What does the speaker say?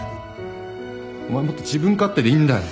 お前もっと自分勝手でいいんだよ。